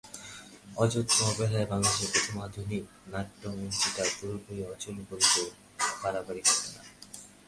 অযত্ন অবহেলায় বাংলাদেশের প্রথম আধুনিক নাট্যমঞ্চটি পুরোপুরি অচল বললে বাড়াবাড়ি হবে না।